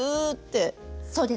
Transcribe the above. そうです。